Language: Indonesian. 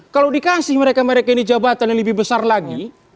kalau dikasih mereka mereka ini jabatan yang lebih besar lagi